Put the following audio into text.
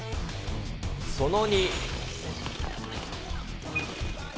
その２。